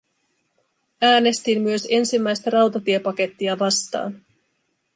Äänestin myös ensimmäistä rautatiepakettia vastaan.